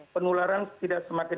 penularan tidak semakin